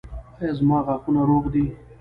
ایا زما غاښونه روغ دي؟